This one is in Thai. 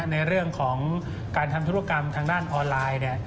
ในเรื่องของการทำธุรกรรมทางด้านออนไลน์